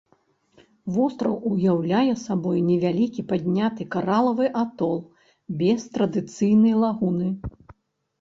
Востраў уяўляе сабою невялікі падняты каралавы атол без традыцыйнай лагуны.